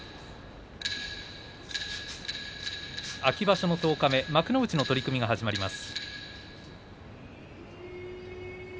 秋場所の十日目幕内の取組が始まります。